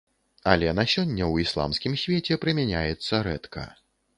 Але на сёння ў ісламскім свеце прымяняецца рэдка.